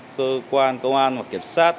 cơ quan công an kiểm soát